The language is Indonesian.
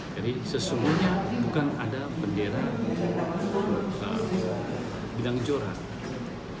jadi sesungguhnya bukan ada bendera bidang joran